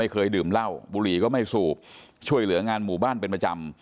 เคยดื่มเหล้าบุหรี่ก็ไม่สูบช่วยเหลืองานหมู่บ้านเป็นประจำ